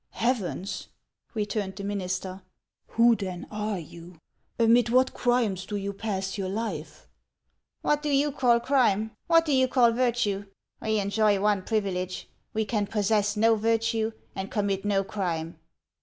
': Heavens '." returned the minister, " who then are you ? Amid what crimes do you pass your life ?"" What do you call crime ? What do you call virtue ? We enjoy one privilege, — we can possess no virtue and commit no crime."